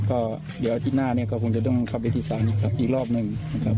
ก็เอละที่หน้าเนี่ยก็คงจะต้องขับได้ที่สารอีกรอบนึงนะครับ